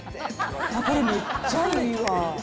これ、めっちゃいいわー。